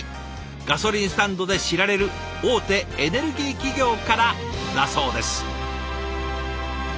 ガソリンスタンドで知られる大手エネルギー企業からだそうです。